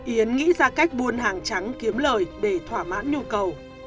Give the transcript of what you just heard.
yến nghĩ ra cách buôn hàng trắng kiếm lời để thỏa mãn nhu cầu